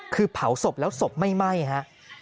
คือเผาศพแล้วศพไหม้ค่ะ